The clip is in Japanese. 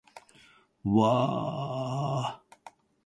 わーーーーーーーー